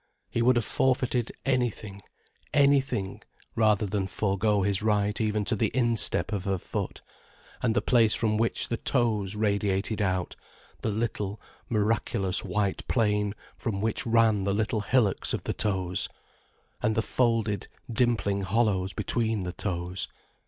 He would have forfeited anything, anything, rather than forego his right even to the instep of her foot, and the place from which the toes radiated out, the little, miraculous white plain from which ran the little hillocks of the toes, and the folded, dimpling hollows between the toes.